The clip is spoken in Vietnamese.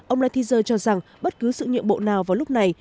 ông lighthizer cho rằng bất cứ sự nhiệm bộ nào vào lúc này